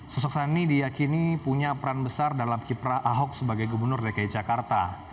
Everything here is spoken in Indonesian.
sosok sandi diyakini punya peran besar dalam kiprah ahok sebagai gubernur dki jakarta